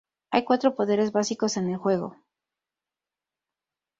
Hay cuatro poderes básicos en el juego.